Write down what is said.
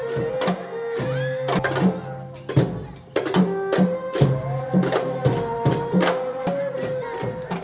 masjid sunan giri